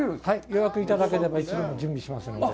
予約いただければいつでも準備しますので。